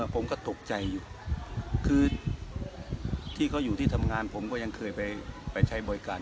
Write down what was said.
ผมก็ตกใจอยู่คือที่เขาอยู่ที่ทำงานผมก็ยังเคยไปใช้บริการ